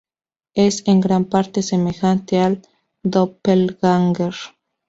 Es en gran parte semejante al "doppelganger".